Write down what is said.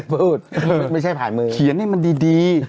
มืดไม่ใช่ผ่านมือเขียนให้มันดี